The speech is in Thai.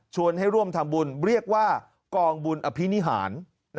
ให้ร่วมทำบุญเรียกว่ากองบุญอภินิหาร